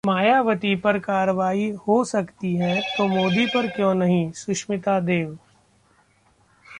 मायावती पर कार्रवाई हो सकती है तो मोदी पर क्यों नहीं- सुष्मिता देव